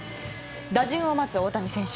打順を待つ大谷選手。